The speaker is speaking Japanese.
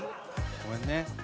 ごめんね。